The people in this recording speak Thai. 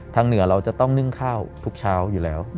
เหนือเราจะต้องนึ่งข้าวทุกเช้าอยู่แล้ว